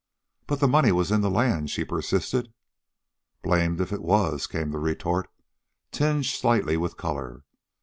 "But the money was in the land," she persisted. "Blamed if it was," came the retort, tinged slightly with color.